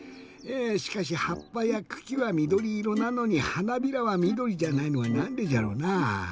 しかしはっぱやくきはみどりいろなのにはなびらはみどりじゃないのはなんでじゃろうな。